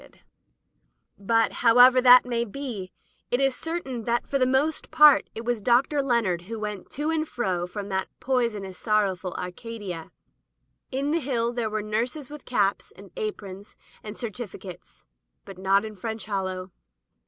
[ 391 ] Digitized by LjOOQ IC Interventions But, howevgr that may be, it is certain that for the most part it was Dr. Leonard who went to and fro in that poisonous and sorrowful Acadia. On the Hill there were nurses with caps, and aprons, and certifi cates, but not in French Hollow.